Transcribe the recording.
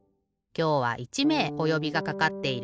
今日は１めいおよびがかかっている。